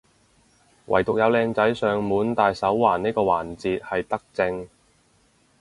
惟獨有靚仔上門戴手環呢個環節係德政